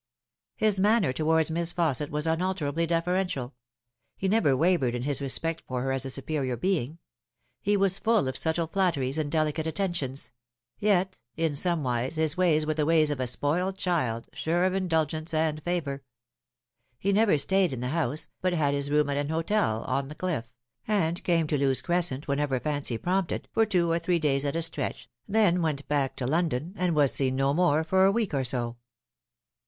His manner towards Miss Fausset was unalter ably deferential ; he never wavered in bis respect for her as a superior being ; he was full of subtle flatteries and delicate attentions ; yet in somewise his ways were the ways of a spoiled child, sure of indulgence and favour. He never stayed in the house, but had his room at an hotel on the cliff, and came to Lewes Crescent whenever fancy prompted, for two or three days at a stretch, then went back to London, and was seen no more for a week or so.